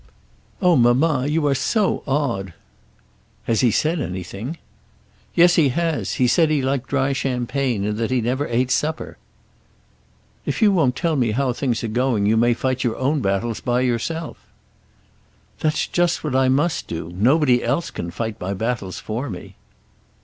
"Oh, mamma, you are so odd." "Has he said anything?" "Yes, he has. He said he liked dry champagne and that he never ate supper." "If you won't tell me how things are going you may fight your own battles by yourself." "That's just what I must do. Nobody else can fight my battles for me."